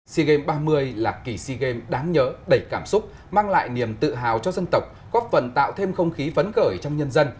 sea games ba mươi là kỳ sea games đáng nhớ đầy cảm xúc mang lại niềm tự hào cho dân tộc góp phần tạo thêm không khí phấn khởi trong nhân dân